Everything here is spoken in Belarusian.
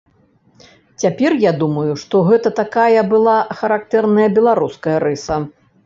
Цяпер я думаю, што гэта такая была характэрная беларуская рыса.